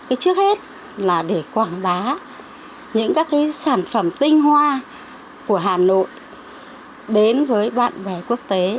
cái trước hết là để quảng bá những các cái sản phẩm tinh hoa của hà nội đến với bạn bè quốc tế